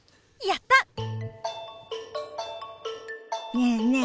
ねえねえ